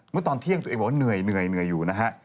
เมื่อตอนเที่ยงตัวเองบอกว่าเหนื่อยอยู่นะฮะ